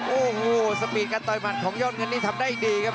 โอ้โหสปีดการต่อยหมัดของยอดเงินนี้ทำได้ดีครับ